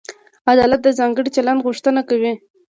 عدالت د ځانګړي چلند غوښتنه کوي.